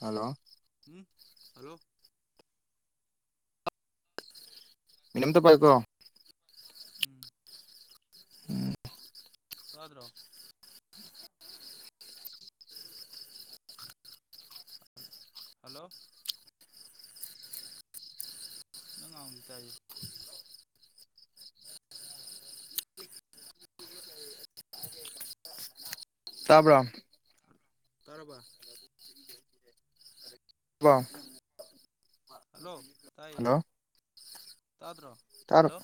hello ꯎꯝ hello minute ꯑꯝꯇ ꯄꯥꯏꯌꯣꯀꯣ ꯎꯝ ꯎꯝ ꯇꯥꯗ꯭ꯔꯣ ꯍꯂꯣ ꯅꯪ ꯉꯥꯡꯕꯗꯤ ꯇꯥꯢꯌꯦ ꯇꯥꯕ꯭ꯔꯥ ꯇꯥꯔꯕ ꯕ꯭ꯔꯥ ꯍꯜꯂꯣ ꯇꯥꯏꯌꯦ ꯇꯥꯗ꯭ꯔꯣ ꯇꯥꯔꯣ ꯍꯂꯣ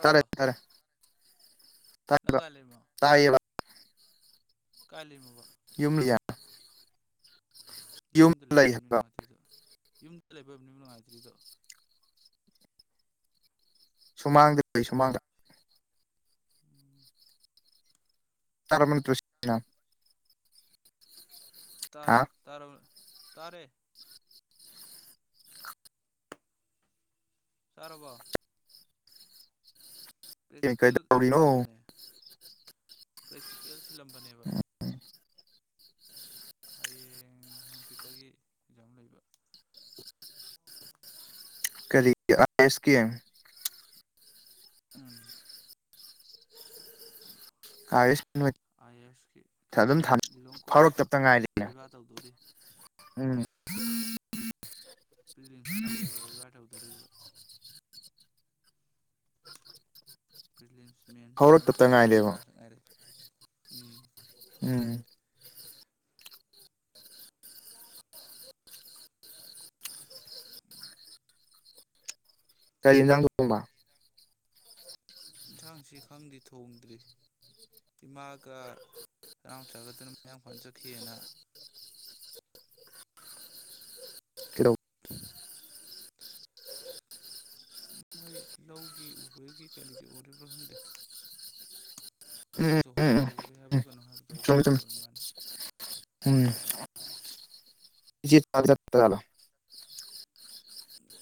ꯇꯥꯔꯦ ꯇꯥꯔꯦ ꯅꯪ ꯇꯥꯏꯕ ꯀꯥꯢ ꯂꯩꯃꯣ ꯇꯥꯏꯌꯦꯕ ꯀꯥꯢ ꯂꯩꯃꯣꯕ ꯌꯨꯝ ꯂꯩꯌꯦ ꯌꯨꯝꯗ ꯂꯩꯕ ꯑꯣꯏꯕꯅꯤ ꯅꯨꯡꯉꯥꯏꯇ꯭ꯔꯤꯗꯣ ꯌꯨꯝꯗ ꯂꯩꯕꯕꯅꯤ ꯅꯨꯡꯉꯥꯏꯇ꯭ꯔꯤꯗꯣ ꯁꯨꯃꯥꯡꯗ ꯂꯩꯌꯦ ꯁꯨꯃꯥꯡꯗ ꯎꯝ ꯇꯥꯔꯕ ꯅꯠꯇ꯭ꯔꯣ ꯁꯦꯡꯅ ꯍꯥ ꯇꯥꯔꯦ ꯇꯥꯔꯕꯣ ꯇꯥꯔꯦ ꯇꯥꯔꯕꯣ ꯄ꯭ꯔꯦꯛꯇꯤꯀꯦꯜ ꯀꯩꯗꯧꯔꯤꯅꯣ ꯁꯤꯜꯂꯝꯕꯅꯦ ꯄ꯭ꯔꯦꯛꯇꯤꯀꯦꯜ ꯁꯤꯜꯂꯝꯕꯅꯦꯕ ꯍꯌꯦꯡ ꯍꯥꯡꯆꯤꯠꯇꯒꯤ ꯑꯦꯛꯖꯥꯝ ꯂꯩꯕ ꯀꯔꯤꯒꯤ ꯑꯥꯢ ꯑꯦꯁ ꯀꯤ [inaudible] ꯑꯥꯢ ꯑꯦꯁ [unintelligible] ꯑꯥꯏ ꯑꯦ ꯑꯦꯁ ꯀꯤ ꯑꯗꯨꯝ ꯊꯥ ꯀꯩꯅꯣꯗ ꯂꯤꯂꯣꯡ ꯀꯣꯂꯦꯖꯇ ꯐꯥꯎꯔꯛꯇꯕꯇ ꯉꯥꯏꯔꯤꯅꯦ ꯕꯩꯕꯥ ꯇꯧꯗꯣꯔꯤ ꯎꯝ ꯄ꯭ꯔꯤꯂꯤꯝꯁ ꯈꯜꯂꯦ ꯕꯩꯕꯥ ꯇꯧꯗꯣꯔꯤꯕ ꯄ꯭ꯔꯤꯂꯤꯝꯁ ꯃꯦꯟꯁ ꯂꯣꯢ ꯍꯧꯔꯛꯇꯕꯇ ꯈꯜꯂꯦ ꯉꯥꯏꯔꯦꯕ ꯕꯩꯕꯥꯈꯛ ꯉꯥꯢꯔꯦ ꯎꯝ ꯎꯝ ꯀꯔꯤ ꯑꯦꯟꯖꯥꯡ ꯊꯣꯡꯕ ꯏꯟꯁꯥꯡꯁꯤ ꯈꯪꯗꯦ ꯊꯣꯡꯗ꯭ꯔꯤ ꯏꯃꯥꯒ ꯆꯦꯅꯥꯎꯆꯥꯒ [unintelligible] ꯃꯌꯥꯡꯐꯥꯟ ꯆꯠꯈꯤꯌꯦꯅ [inaudible] ꯀꯦꯔꯧ ꯃꯣꯏ ꯂꯧꯒꯤ ꯎꯕꯒꯤ ꯀꯔꯤꯒꯤ ꯑꯣꯏꯔꯤꯕ꯭ꯔꯥ ꯈꯪꯗꯦ ꯎꯝ ꯁꯤꯁꯨ ꯎꯝ ꯎꯝ ꯍꯧꯖꯤꯛ ꯎꯒꯦ ꯎꯝ ꯍꯥꯏꯕ꯭ꯔ ꯀꯩꯅꯣ ꯍꯥꯏꯕꯗꯣ ꯆꯨꯝꯃꯦ ꯑꯗꯨꯗꯨꯒꯤ ꯆꯨꯝꯃꯦ ꯑꯣꯏꯔꯃꯥꯟꯅꯦ ꯎꯝ [unintelligible]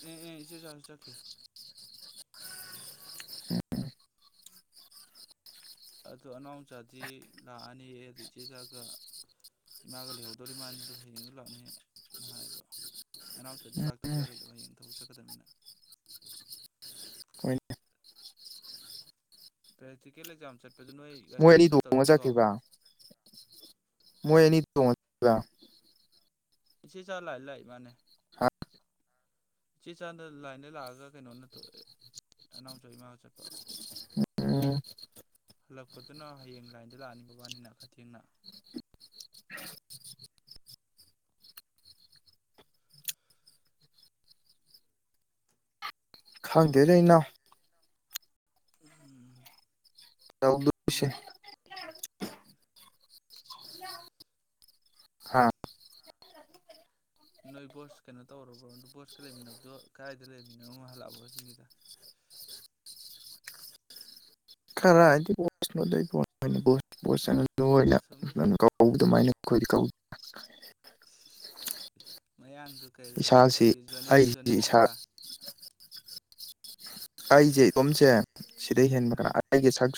ꯑꯦ ꯑꯦ ꯏꯆꯦꯆꯥꯖꯨ ꯆꯠꯈꯤ ꯎꯝ ꯑꯗꯨ ꯑꯅꯥꯎꯆꯥꯗꯤ ꯂꯥꯛꯑꯅꯤ ꯑꯗꯨ ꯏꯆꯦ ꯆꯥꯒ ꯏꯃꯥꯒ ꯂꯩꯍꯧꯗꯧꯔꯤꯃꯥꯅꯤꯗꯨ ꯍꯌꯦꯡꯗꯨ ꯂꯥꯛꯅꯤꯅ ꯍꯥꯏꯕ ꯅꯅꯥꯎꯆꯥꯗꯤ ꯂꯥꯛꯇꯕ ꯌꯥꯔꯣꯏꯗꯕ ꯍꯌꯦꯡ ꯊꯕꯛ ꯆꯠꯀꯗꯕꯅꯤꯅ [unintelligible] ꯍꯣꯢꯅꯦ ꯄ꯭ꯔꯦꯛꯇꯤꯀꯦꯜ ꯑꯦꯛꯖꯥꯝ ꯆꯠꯄꯗꯨ ꯅꯣꯏ ꯃꯣꯏ ꯑꯅꯤ ꯒꯥꯔꯤꯗ ꯇꯣꯡꯉ ꯆꯠꯇꯧꯔꯤꯃꯤꯀꯣ ꯆꯠꯈꯤꯕ ꯃꯣꯏ ꯑꯦꯅꯤ ꯊꯣꯡꯍꯟꯗꯣꯢꯕ ꯏꯆꯦꯆꯥ ꯂꯥꯢꯟ ꯂꯥꯛꯢꯃꯥꯟꯅꯦ ꯍꯥ ꯏꯆꯦꯆꯥꯗ ꯂꯥꯏꯟꯗ ꯂꯥꯛꯑꯒ ꯀꯩꯅꯣ ꯅꯠꯇ꯭ꯔꯣ ꯑꯅꯥꯎꯆꯥꯒ ꯏꯃꯥꯒ ꯆꯠꯄ [unintelligible] ꯍꯜꯂꯛꯄꯗꯨꯅ ꯍꯌꯦꯡ ꯂꯥꯏꯟꯗ ꯂꯥꯛꯑꯅꯤ ꯃꯕꯥꯅꯤꯅ ꯈꯔ ꯊꯦꯡꯅ ꯈꯪꯗꯦꯗ ꯏꯅꯥꯎ ꯎꯝ ꯇꯧꯗꯣꯢꯁꯦ ꯍꯥꯥ ꯅꯣꯏ ꯕꯣꯁ ꯀꯩꯅꯣ ꯇꯧꯔꯕ꯭ꯔꯣ ꯕꯣꯁꯀ ꯂꯩꯃꯤꯟꯅꯕꯗꯣ ꯀꯗꯥꯏꯗ ꯂꯩꯃꯤꯟꯅꯕꯣ ꯍꯜꯂꯛꯑꯕꯣ ꯁꯤꯅꯤꯗ [unintelligible] ꯀꯔꯥꯢꯗꯩ ꯕꯣꯁꯅꯣꯗ ꯏꯕꯣ ꯅꯪꯅ ꯕꯣꯁ ꯕꯣꯁ ꯑꯅꯥ ꯂꯨ ꯑꯁꯣꯝꯗ [unintelligible] ꯀꯧꯕ ꯑꯗꯨꯃꯥꯏꯅ ꯑꯩꯈꯣꯏꯗꯤ ꯀꯧ ꯏꯁ ꯏꯁ ꯃꯌꯥꯡ ꯑꯗꯨ ꯀꯔꯤꯕ ꯏꯁꯥꯁꯤ ꯁꯤꯒꯤ ꯖꯣꯅꯦꯠ ꯑꯩꯁꯤ ꯖꯣꯅꯦꯠ ꯍꯥꯏꯕ꯭ꯔꯥ ꯑꯩꯖꯦ ꯏꯇꯣꯝꯖꯦ ꯁꯤꯗꯩ ꯍꯦꯟꯕ ꯀꯅꯥ ꯑꯦ ꯑꯩꯒꯤ ꯁꯛ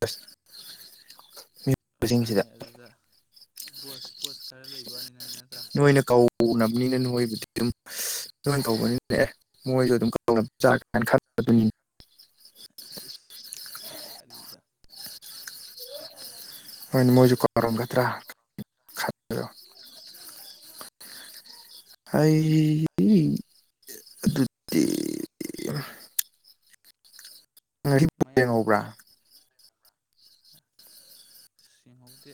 [unintelligible] [unintelligible] ꯃꯥꯅꯦ ꯑꯗꯨꯗ ꯕꯣꯁ ꯕꯣꯁ ꯈꯔ ꯂꯩꯕꯅꯦ ꯅꯪꯒꯤꯅ ꯅꯣꯏꯅ ꯀꯧꯅꯕ ꯅꯤꯅ ꯅꯣꯏꯕꯨꯗꯤ ꯑꯗꯨꯝ ꯇꯧꯕꯅꯤꯅ ꯑꯦ ꯃꯣꯏꯖꯨ ꯑꯗꯨꯝ [unintelligible] ꯏꯁ ꯏꯁ ꯋꯥꯔꯤꯗꯣ ꯍꯣꯏ ꯃꯣꯏꯁꯨ ꯀꯧꯔꯝꯒꯗ꯭ꯔꯥ [unintelligible] ꯍꯩ ꯑꯗꯨꯗꯤ ꯉꯁꯤ ꯕꯣꯜ ꯃꯌꯥꯡꯗꯨ ꯌꯦꯡꯍꯧꯕ꯭ꯔꯥ ꯁꯤ ꯌꯦꯡꯍꯧꯗꯦ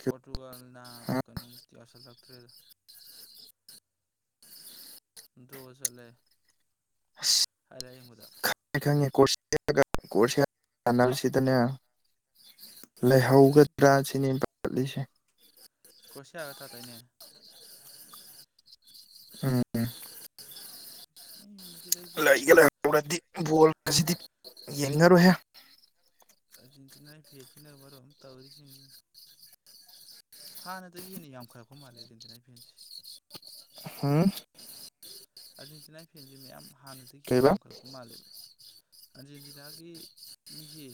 ꯄꯣꯔꯇꯨꯒꯜ ꯅꯥꯕ ꯀꯩꯅꯣꯝꯇ ꯌꯥꯎꯁꯤꯜꯂꯛꯇ꯭ꯔꯦꯗ ꯗ꯭ꯔꯣ ꯆꯠꯂꯦ ꯍꯥꯢꯂꯥꯢꯠ ꯌꯦꯡꯕꯗ ꯈꯪꯉꯦ ꯈꯪꯉꯦ ꯀꯣꯔꯁꯤꯌꯥꯒ ꯀꯣꯔꯁꯤꯌꯥꯒ ꯁꯥꯟꯅꯕꯁꯤꯗꯅꯦ ꯂꯩꯍꯧꯒꯗ꯭ꯔꯥ ꯁꯤꯅꯦ ꯑꯩꯅ ꯄꯥꯈꯠꯂꯤꯁꯦ ꯀꯣꯁꯤꯌꯥꯒ ꯇꯥꯗꯣꯢꯅꯦ ꯎꯝ ꯃꯁꯤꯗꯩꯁꯤꯗ ꯂꯩꯒ ꯂꯩꯍꯧꯔꯗꯤ ꯀꯩꯅꯣ ꯕꯣꯜꯁꯤꯗꯤ ꯌꯦꯡꯅꯤꯡꯉꯔꯣꯏꯍꯦ ꯑꯔꯖꯦꯟꯇꯤꯅꯥꯒꯤ ꯐꯦꯟꯁꯤꯅ ꯃꯔꯣꯜ ꯑꯃ ꯇꯧꯔꯤꯁꯤꯡꯁꯤ ꯍꯥꯟꯅꯗꯒꯤ ꯍꯦꯟꯅ ꯌꯥꯝꯈꯠꯂꯛꯄ ꯃꯥꯜꯂꯦ ꯑꯥꯔꯖꯦꯟꯇꯤꯅꯥꯒꯤ ꯐꯦꯟꯁꯦ ꯍꯨꯝ ꯑꯥꯔꯖꯦꯟꯇꯤꯅꯥꯒꯤ ꯐꯦꯟꯁꯦ ꯃꯌꯥꯝ ꯍꯥꯟꯅꯗꯒꯤ ꯍꯦꯟꯅ ꯌꯥꯝꯈꯠꯂꯛꯄ ꯃꯥꯜꯂꯦꯕ ꯑꯥꯔꯖꯦꯟꯇꯤꯅꯥꯒꯤ ꯃꯤꯁꯦ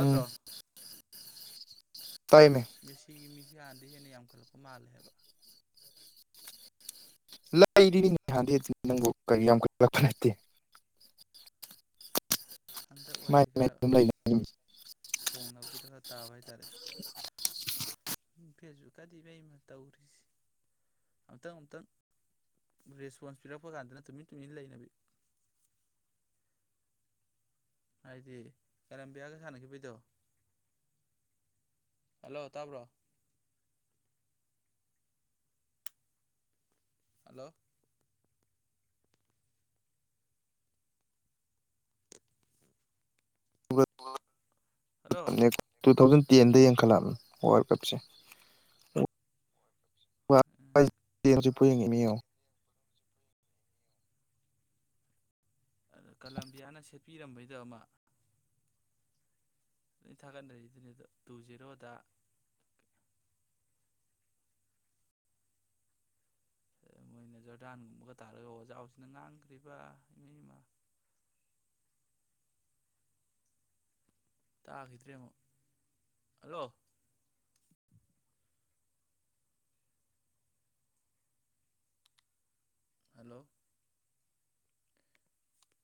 ꯎꯝ ꯇꯥꯏꯃꯦ ꯃꯦꯁꯤꯒꯤ ꯃꯤꯁꯦ ꯍꯥꯟꯅꯗꯩ ꯍꯦꯟꯅ ꯌꯥꯝꯈꯠꯂꯛꯄ ꯃꯥꯜꯂꯦ ꯍꯥꯏꯕ ꯂꯩꯔꯤꯅꯦ ꯍꯥꯟꯗꯩ ꯅꯪꯕꯨ ꯀꯔꯤ ꯌꯥꯝꯈꯠꯂꯛꯄ ꯅꯠꯇꯦ ꯍꯟꯗꯛ ꯋꯥꯏꯁꯤ ꯈꯔ [unintelligible] ꯈꯣꯡꯅꯕꯗꯨꯗ ꯈꯔ ꯇꯥꯕ ꯍꯥꯏꯇꯥꯔꯦ ꯎꯝ ꯐꯦꯖꯕꯨꯛꯀꯥꯗꯤ ꯏꯃꯥꯢ ꯃꯥꯢ ꯇꯧꯔꯤꯁꯤ ꯑꯃꯨꯛꯇꯪ ꯑꯃꯨꯛꯇꯪ ꯔꯦꯁꯄꯣꯟꯁ ꯄꯤꯔꯛꯄ ꯀꯥꯟꯗꯅ ꯇꯨꯃꯤꯟ ꯇꯨꯃꯤꯟ ꯂꯩꯅꯕꯤ [inaudible] ꯍꯥꯏꯗꯤ ꯀꯂꯝꯕꯤꯌꯥꯒ ꯁꯥꯟꯅꯈꯤꯕꯩꯗꯣ ꯍꯜꯂꯣ ꯇꯥꯕ꯭ꯔꯣ ꯍꯜꯂꯣ ꯍꯜꯂꯣ [unintelligible] ꯇꯨ ꯊꯥꯎꯖꯟ ꯇꯦꯟꯗ ꯌꯦꯡꯈꯠꯂꯛꯑꯕꯅꯦ ꯋꯥꯔꯜ ꯀꯞꯁꯦ [unintelligible] ꯍꯧꯖꯤꯛꯐꯥꯎ ꯌꯦꯡꯉꯤꯅꯤ ꯉꯦꯡꯉꯣ ꯑꯗ ꯀꯂꯝꯕꯤꯌꯥꯅ ꯁꯦꯠꯄꯤꯔꯝꯕꯩꯗꯣ ꯑꯃ ꯂꯣꯏ ꯊꯥꯒꯠꯅꯔꯤꯗꯨꯅꯤ ꯑꯗꯣ ꯇꯨ ꯖꯦꯔꯣꯗ ꯃꯣꯏꯅ ꯖꯣꯔꯗꯥꯟꯒꯨꯝꯕꯒ ꯇꯥꯔꯒ ꯋꯥꯖꯥꯎꯁꯤꯅ ꯉꯥꯡꯈ꯭ꯔꯤꯕ ꯏꯃ [inaudible] ꯇꯥꯈꯤꯗ꯭ꯔꯦ ꯑꯃꯨꯛ ꯍꯜꯂꯣ ꯍꯜꯂꯣ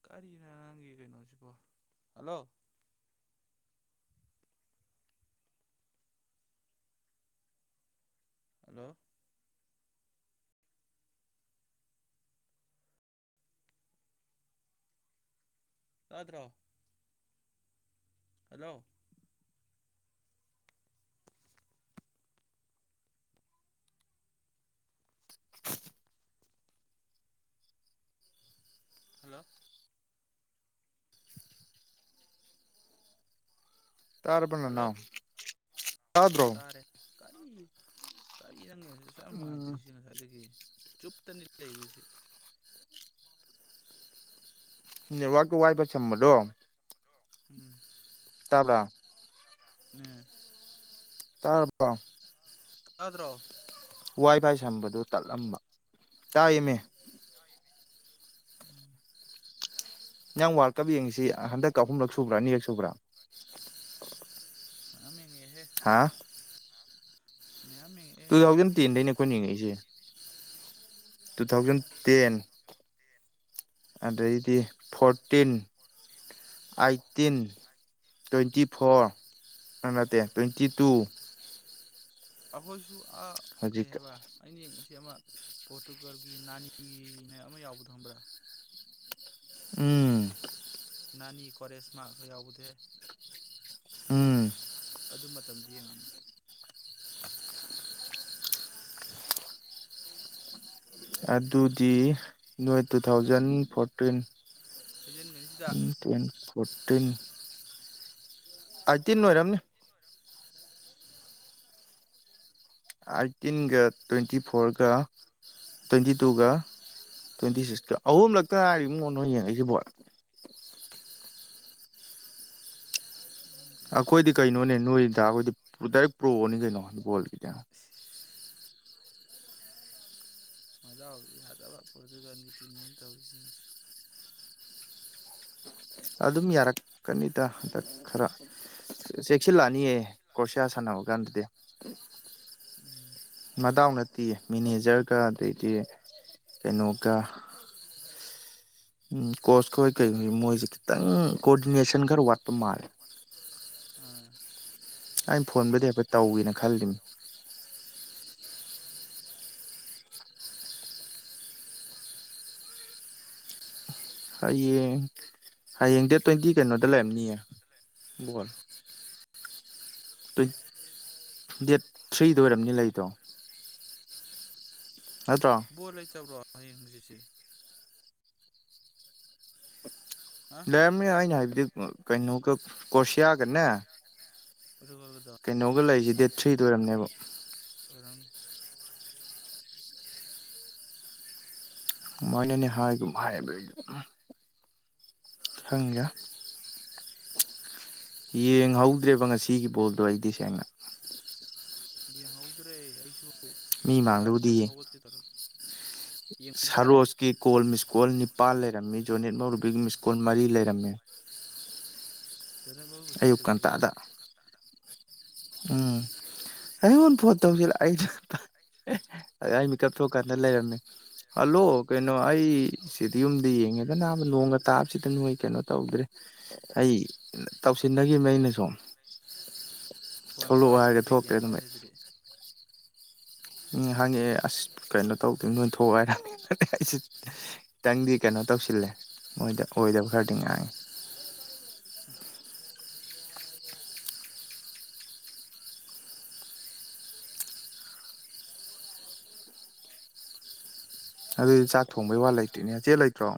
ꯀꯔꯤꯅꯣ ꯅꯪꯒꯤ ꯀꯩꯅꯣꯁꯤꯕꯣ ꯍꯜꯂꯣ ꯍꯜꯂꯣ ꯇꯥꯗ꯭ꯔꯣ ꯍꯜꯂꯣ [unintelligible] ꯍꯜꯂꯣ ꯇꯥꯔꯕꯣ ꯍꯜꯂꯣ ꯅꯅꯥꯎ ꯇꯥꯗ꯭ꯔꯣ ꯇꯥꯔꯦ ꯀꯔꯤ ꯀꯔꯤ ꯅꯪ ꯁꯨ ꯌꯥꯝ ꯎꯝ ꯅꯨꯡꯉꯥꯏꯇ꯭ꯔꯤꯁꯤ ꯉꯁꯥꯏꯗꯒꯤ ꯆꯨꯞꯇꯅꯤ ꯂꯩꯈꯔꯤꯁꯦ ꯅꯦꯠꯋꯥꯛ ꯋꯥꯏ ꯐꯥꯏ ꯁꯝꯕꯗꯣ ꯎꯝ ꯇꯥꯕ꯭ꯔꯥ ꯇꯥꯕ꯭ꯔꯥ ꯎꯝ ꯇꯥꯔꯕꯣ ꯇꯗ꯭ꯔꯣ ꯋꯥꯏ ꯐꯥꯏ ꯁꯝꯕꯗꯨ ꯇꯠꯂꯝꯕ ꯇꯥꯏꯌꯦꯃꯤ ꯎꯝ ꯅꯪ ꯋꯥ꯭ꯜꯁꯞ ꯌꯦꯡꯉꯤꯁꯤ ꯍꯟꯗꯛꯀ ꯑꯍꯨꯝꯂꯛ ꯁꯨꯕ꯭ꯔꯥ ꯑꯅꯤꯔꯛ ꯁꯨꯕ꯭ꯔꯥ ꯃꯌꯥꯝ ꯌꯦꯡꯉꯤ ꯍꯥ ꯃꯌꯥꯝ ꯌꯦꯡ ꯇꯨ ꯊꯥꯎꯖꯟ ꯇꯦꯟꯗꯩꯅꯦ ꯑꯩꯈꯣꯏꯅ ꯌꯦꯡꯉꯛꯏꯁꯦ ꯇꯨ ꯊꯥꯎꯖꯟ ꯇꯦꯟ ꯑꯗꯩꯗꯤ ꯐꯣꯔꯇꯤꯟ ꯑꯩꯠꯇꯤꯟ ꯇ꯭ꯋꯦꯟꯇꯤ ꯐꯣꯔ ꯅꯠꯇꯦ ꯇ꯭ꯋꯦꯟꯇꯤ ꯇꯨ ꯑꯩꯈꯣꯏꯁꯨ ꯑꯥ ꯀꯩ ꯍꯧꯖꯤꯛ ꯍꯥꯏꯕ ꯑꯩꯅ ꯌꯦꯡ ꯁꯤ ꯑꯃ ꯄꯣꯔꯇꯨꯒꯜꯒꯤ ꯅꯥꯅꯤꯅ ꯑꯃ ꯌꯥꯎꯕꯗꯣ ꯈꯪꯕ꯭ꯔꯥ ꯎꯝ ꯅꯥꯅꯤ ꯀꯣꯔꯦꯁ ꯃꯥꯛꯀ ꯌꯥꯎꯗꯦ ꯎꯝ ꯑꯗꯨ ꯃꯇꯝꯗꯨ ꯌꯦꯡꯉꯛꯑꯞꯅꯤ ꯑꯗꯨꯗꯤ ꯅꯣꯏ ꯇꯨ ꯊꯥꯎꯖꯟ ꯐꯣꯔꯇꯤꯟ ꯍꯩꯖꯤꯟꯒꯅꯤꯁꯤꯗ ꯇꯦꯟ ꯐꯣꯔꯇꯤꯟ ꯑꯩꯠꯇꯤꯟ ꯑꯣꯏꯔꯝꯅꯤ ꯑꯥꯏꯠꯇꯤꯟꯒ ꯇ꯭ꯋꯦꯟꯇꯤ ꯐꯣꯔꯒ ꯇ꯭ꯋꯦꯟꯇꯤ ꯇꯨꯒ ꯇ꯭ꯋꯦꯟꯇꯤ ꯁꯤꯛꯁꯀ ꯑꯍꯨꯝꯂꯛꯇ ꯉꯥꯏꯔꯤꯉꯣ ꯏꯕꯨꯡꯉꯣ ꯅꯣꯏ ꯌꯦꯡꯉꯛꯏꯁꯤ ꯕꯣꯜ ꯑꯩꯈꯣꯏꯗꯤ ꯀꯩꯅꯣꯅꯦ ꯅꯣꯏ ꯗꯥ ꯈꯣꯏꯗꯤ ꯗꯥꯏꯔꯦꯛ ꯄ꯭ꯔꯣꯅꯤ ꯀꯩꯅꯣ ꯕꯣꯜꯒꯤꯗ [inaudible] ꯃꯗꯥꯎꯗꯤ ꯌꯥꯗꯕ ꯄꯣꯇ꯭ꯔꯨꯒꯟꯒꯤ ꯇꯤꯝꯅꯦ ꯇꯧꯔꯤꯁꯤꯡꯁꯤ ꯑꯗꯨꯝ ꯌꯥꯔꯛꯀꯅꯤꯗ ꯍꯟꯗꯛ ꯈꯥꯔ ꯆꯦꯛꯁꯤꯜꯂꯛꯑꯅꯤꯌꯦ ꯀꯣꯔꯁꯤꯌꯥ ꯁꯥꯟꯅꯕ ꯀꯥꯟꯗꯗꯤ ꯎꯝ ꯃꯗꯥꯎ ꯅꯠꯇꯤꯌꯦ ꯃꯦꯅꯦꯖꯔꯒ ꯑꯗꯩꯗꯤ ꯀꯩꯅꯣꯒ ꯎꯝ ꯀꯣꯆ ꯈꯣꯏ ꯀꯔꯤ ꯈꯣꯏ ꯃꯣꯏꯁꯦ ꯈꯤꯇꯪ ꯀꯣꯑꯣꯗꯤꯅꯦꯁꯟ ꯈꯥꯔ ꯋꯥꯠꯄ ꯃꯥꯜꯂꯦ ꯃꯥꯟꯅꯤ ꯑꯩꯅ ꯐꯣꯟꯕꯨꯗꯤ ꯍꯥꯏꯐꯦꯠ ꯇꯧꯒꯦꯅ ꯈꯜꯂꯤꯝꯅꯤ ꯍꯌꯦꯡ ꯍꯌꯦꯡ ꯗꯦꯠ ꯇ꯭ꯋꯦꯟꯇꯤ ꯀꯩꯅꯣꯗ ꯂꯩꯔꯝꯅꯤꯌꯦ ꯕꯣꯜ ꯗꯦꯠ ꯊ꯭ꯔꯤꯗ ꯑꯣꯏꯔꯝꯅꯤ ꯂꯩꯗꯣ ꯅꯠꯇ꯭ꯔꯣ ꯕꯣꯜ ꯂꯩꯇꯕ꯭ꯔꯣ ꯍꯌꯦꯡ ꯍꯪꯆꯤꯠꯁꯦ ꯍꯥ ꯂꯩꯔꯝꯅꯤ ꯑꯩꯅ ꯍꯥꯏꯕꯗꯤ ꯀꯩꯅꯣꯒ ꯑꯩꯅ ꯍꯥꯏꯗꯤ ꯀꯣꯔꯁꯤꯌꯥ ꯒꯅꯦ ꯄꯣꯔꯇꯨꯒꯜꯒꯤꯗꯣ ꯀꯩꯅꯣꯒ ꯂꯩꯔꯤꯁꯤ ꯗꯦꯠ ꯊ꯭ꯔꯤꯗ ꯑꯣꯏꯔꯝꯅꯤꯕ ꯑꯣꯏꯔꯝꯅꯤ ꯃꯣꯏꯅꯅꯦ ꯍꯥꯏꯒꯨꯝ ꯍꯥꯏꯕꯩ ꯈꯪꯗꯦ ꯌꯦꯡꯍꯧꯗ꯭ꯔꯦꯕ ꯉꯁꯤꯒꯤ ꯕꯣꯜꯗꯣ ꯑꯩꯗꯤ ꯁꯦꯡꯅ ꯌꯦꯡꯍꯧꯗ꯭ꯔꯦ ꯑꯩꯁꯨ ꯃꯤ ꯂꯥꯛ ꯃꯥꯡꯗꯕꯨꯗꯤ ꯃꯇꯝꯗ ꯌꯦꯡꯉꯤ ꯍꯧꯒꯠꯀꯦ ꯇꯧꯔꯒ ꯌꯦꯡꯕ ꯁꯥꯔꯦ ꯁꯔꯣꯁꯀꯤ ꯀꯣꯜ ꯃꯤꯁꯀꯣꯜ ꯅꯤꯄꯥꯜ ꯂꯩꯔꯝꯃꯤ ꯖꯣꯅꯦꯠ ꯃꯧꯔꯨꯕꯤꯒꯤ ꯃꯤꯁꯀꯣꯟ ꯃꯔꯤ ꯂꯩꯔꯝꯃꯦ [inaudible] ꯑꯌꯨꯛ ꯄꯣꯔꯇ꯭ꯔꯨꯒꯟꯒꯤꯔ ꯉꯟꯇꯥꯗ ꯑꯌꯨꯛ ꯉꯟꯇꯗ ꯎꯝ ꯑꯩꯉꯣꯟ ꯐꯣꯟ ꯇꯧꯖꯤꯜꯂ ꯑꯩꯗꯣ [inaudible] ꯑꯩ ꯃꯤꯀꯞ ꯊꯣꯑꯀꯥꯟꯗꯥ ꯂꯩꯔꯝꯃꯦ ꯍꯜꯂꯣ ꯀꯩꯅꯣ ꯑꯩ ꯁꯤꯗ ꯌꯨꯝ ꯌꯦꯡꯉꯦꯗꯅ ꯅꯣꯡ ꯉꯇꯥꯥꯞꯕꯁꯤꯗ ꯅꯣꯏ ꯀꯩꯅꯣ ꯇꯧꯗ꯭ꯔꯦ ꯑꯩ ꯇꯧꯁꯤꯟꯅꯒꯤꯝꯅꯤ ꯑꯩꯅ ꯁꯨ ꯐꯣꯟꯗꯣ ꯄꯥꯏꯗ꯭ꯔꯤꯗꯨꯅ ꯀꯩꯒꯤ ꯑꯣꯟ ꯂꯩꯗꯨꯗꯤ ꯎꯝ ꯍꯪꯉꯛꯑꯦ ꯑꯁ ꯀꯩꯅꯣ ꯇꯧꯗꯦ ꯅꯣꯏ ꯊꯣꯛꯑꯣ ꯑꯩꯁꯦ ꯈꯤꯇꯪꯗꯤ ꯀꯩꯅꯣ ꯇꯧꯁꯤꯜꯂꯦ ꯃꯣꯏꯗ ꯑꯣꯏꯗꯕ ꯈꯔꯗꯤ ꯉꯥꯡꯉꯤ [inaudible] ꯑꯗꯨꯗꯤ ꯆꯥꯛ ꯊꯣꯡꯕꯩ ꯋꯥ ꯂꯩꯇ꯭ꯔꯤꯅꯦ ꯆꯦ ꯂꯩꯇ꯭ꯔꯣ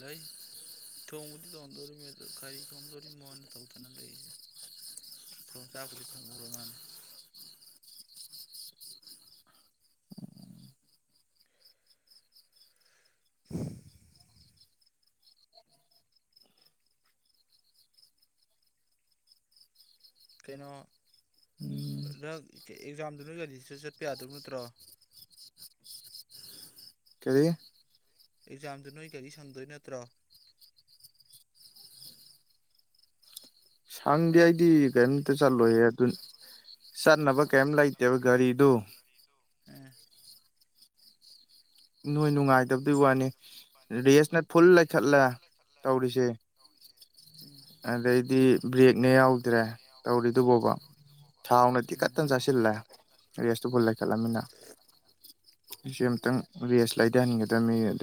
ꯂꯩ ꯊꯣꯡꯕꯗꯤ ꯇꯣꯡꯗꯣꯔꯤꯅꯤ ꯀꯔꯤ ꯊꯣꯡꯗꯧꯔꯤꯕꯅꯣ ꯃꯣꯟꯅ ꯇꯧꯗꯅ ꯂꯩꯔꯤꯁꯦ ꯆꯥꯛꯄꯨꯗꯤ ꯊꯣꯡꯉꯨꯔꯣ ꯃꯥꯅꯦ [inaudible] ꯀꯩꯅꯣ ꯎꯝ ꯅꯪ ꯑꯦꯛꯖꯥꯝꯗꯨ ꯅꯣꯏ [unintelligible] ꯆꯠꯄ ꯌꯥꯗꯣꯏ ꯅꯠꯇ꯭ꯔꯣ [inaudible] ꯀꯔꯤ ꯑꯦꯛꯖꯥꯝꯗꯨ ꯅꯣꯏ ꯒꯥꯔꯤ ꯁꯪꯗꯣꯏ ꯅꯠꯇ꯭ꯔꯣ ꯁꯪꯗꯦ ꯍꯦ ꯑꯩꯗꯤ ꯀꯔꯤꯝꯇ ꯆꯠꯂꯣꯏꯌꯦ ꯆꯠꯅꯕ ꯀꯔꯤꯝ ꯂꯩꯇꯦꯕ ꯒꯥꯔꯤꯗꯨ ꯎꯝ ꯅꯣꯏ ꯅꯨꯡꯉꯥꯏꯇꯕꯗꯨ ꯋꯥꯅꯤ ꯔꯦꯁꯅ ꯐꯨꯜ ꯂꯩꯊꯠꯂꯦ ꯇꯧꯔꯤꯁꯦ ꯎꯝ ꯑꯗꯩꯗꯤ ꯕ꯭ꯔꯦꯛꯅꯦ ꯌꯥꯎꯗ꯭ꯔꯦ ꯇꯧꯔꯤꯗꯨꯕꯣꯕ ꯊꯥꯎꯅꯗꯤ ꯎꯝ ꯇꯤꯈꯠꯇꯅ ꯆꯥꯁꯤꯜꯂꯦ ꯔꯦꯁꯇꯣ ꯐꯨꯜ ꯂꯩꯈꯠꯂꯃꯤꯅ ꯑꯩꯁꯦ ꯑꯝꯇꯪ ꯔꯦꯁ ꯂꯩꯊꯍꯟꯒꯗꯕꯅꯤ ꯑꯗꯨ